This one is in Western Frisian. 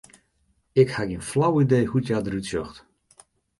Ik ha gjin flau idee hoe't hja derút sjocht.